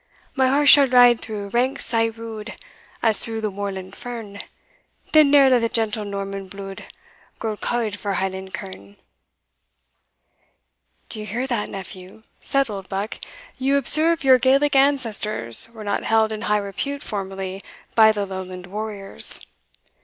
"My horse shall ride through ranks sae rude, As through the moorland fern, Then neer let the gentle Norman blude Grow cauld for Highland kerne.'" "Do you hear that, nephew?" said Oldbuck; "you observe your Gaelic ancestors were not held in high repute formerly by the Lowland warriors."